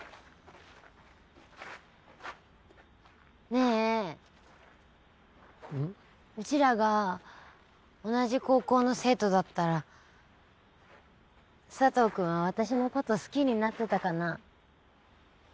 ねえうちらが同じ高校の生徒だったら佐藤君は私のこと好きになってたかな？